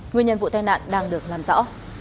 nguyên nhân vụ tai nạn đang được làm rõ